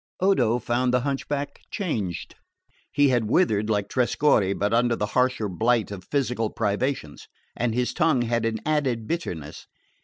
Odo found the hunchback changed. He had withered like Trescorre, but under the harsher blight of physical privations; and his tongue had an added bitterness.